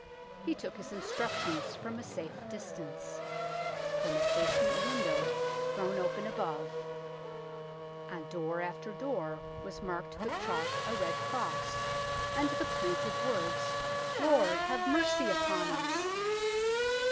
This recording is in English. He took his instructions from a safe distance from a casement window thrown open above. On door after door was marked with chalk a red cross, and the plaintive words, " Lord, have mercy upon us